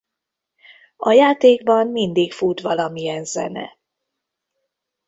A játékban mindig fut valamilyen zene.